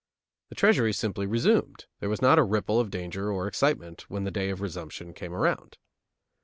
The Treasury simply resumed, there was not a ripple of danger or excitement when the day of resumption came around.